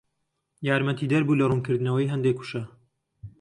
یارمەتیدەر بوو لە ڕوونکردنەوەی هەندێک وشە